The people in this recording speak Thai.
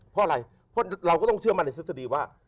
เพราะอะไรเพราะเราก็ต้องเชื่อมั่นในทฤษฎีว่า